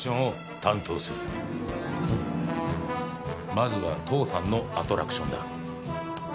まずは父さんのアトラクションだ。